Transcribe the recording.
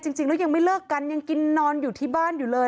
จริงแล้วยังไม่เลิกกันยังกินนอนอยู่ที่บ้านอยู่เลย